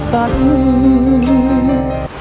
ด้วยการหนีไปจากกัน